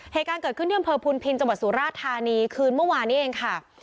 เหตุการณ์เกิดขึ้นที่อำเภอพุนพินจังหวัดสุราชธานีคืนเมื่อวานนี้เองค่ะ